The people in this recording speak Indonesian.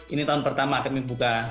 ini tahun pertama kami buka